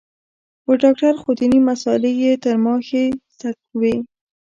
و ډاکتر خو ديني مسالې يې تر ما ښې زده وې.